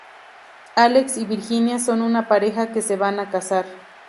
Álex y Virginia son una pareja que se van a casar.